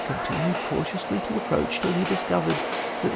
continued cautiously to approach, till lie discovered that the.